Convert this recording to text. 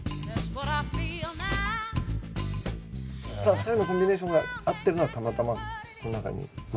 ２人のコンビネーションが合ってるのがたまたまこの中に。